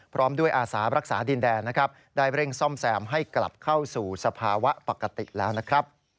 พร้อมด้วยอาสารักษาดินแดนนะครับได้เร่งซ่อมแซมให้กลับเข้าสู่สภาวะปกติแล้วนะครับ